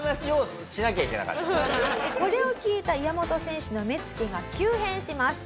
これを聞いた岩本選手の目つきが急変します。